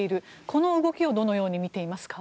この動きをどのようにみていますか。